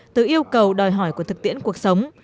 từ yêu cầu đòi hỏi của thực tiễn cuộc sống